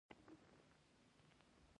لیک او اداره یو له بله جلا نه شول.